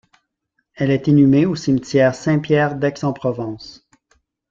Elle est inhumée au cimetière Saint-Pierre d'Aix-en-Provence.